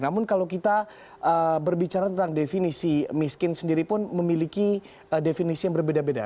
namun kalau kita berbicara tentang definisi miskin sendiri pun memiliki definisi yang berbeda beda